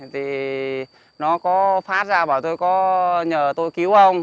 thì nó có phát ra bảo tôi có nhờ tôi cứu ông